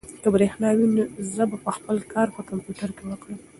که برېښنا وي، زه به خپل کار په کمپیوټر کې وکړم.